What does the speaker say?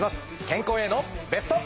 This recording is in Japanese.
健康へのベスト。